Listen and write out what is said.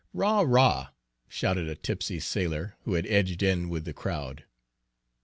"'Rah, 'rah!" shouted a tipsy sailor, who had edged in with the crowd.